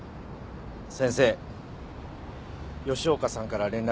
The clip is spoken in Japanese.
先生吉岡さんから連絡がありました。